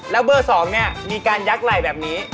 แล้วเบอร์๒มีการยักไหล่แบบนี้